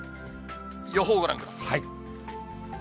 予報ご覧ください。